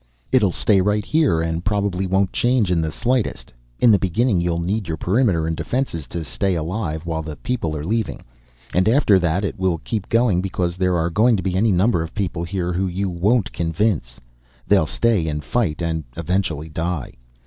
"It'll stay right here and probably won't change in the slightest. In the beginning you'll need your perimeter and defenses to stay alive, while the people are leaving. And after that it will keep going because there are going to be any number of people here who you won't convince. They'll stay and fight and eventually die.